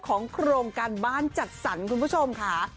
โครงการบ้านจัดสรรคุณผู้ชมค่ะ